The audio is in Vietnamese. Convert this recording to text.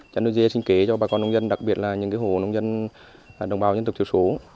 chân nuôi dê xin kể cho bà con nông dân đặc biệt là những hộ nông dân đồng bào nhân tục thiểu số